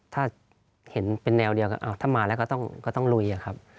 ถ้าเห็นเป็นแนวเดียวกันถ้ามาแล้วก็ต้องลุยอะครับ